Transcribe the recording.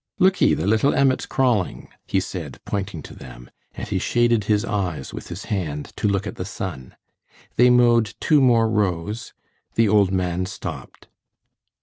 "Look'ee, the little emmets crawling!" he said, pointing to them, and he shaded his eyes with his hand to look at the sun. They mowed two more rows; the old man stopped.